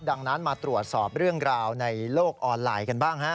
ดังนั้นมาตรวจสอบเรื่องราวในโลกออนไลน์กันบ้างฮะ